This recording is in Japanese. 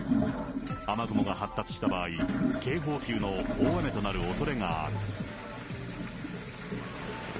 雨雲が発達した場合、警報級の大雨となるおそれがある。